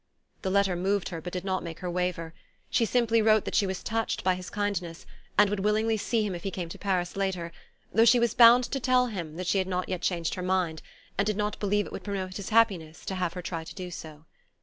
The letter moved her but did not make her waver. She simply wrote that she was touched by his kindness, and would willingly see him if he came to Paris later; though she was bound to tell him that she had not yet changed her mind, and did not believe it would promote his happiness to have her try to do so.